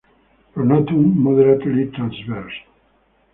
Pronotum moderately transverse.